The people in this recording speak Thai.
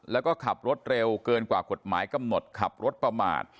แล้วก็ขับรถเร็วเกินกว่ากฎหมายกำหนดขับรถประมาท